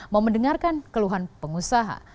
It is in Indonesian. mau mendengarkan keluhan pengusaha